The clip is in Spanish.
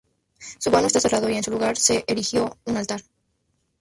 Su vano está cerrado, y en su lugar se erigió un altar.